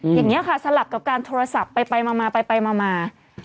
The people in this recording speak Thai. อย่างนี้ค่ะสลับกับการโทรศัพท์ไปมาไปมา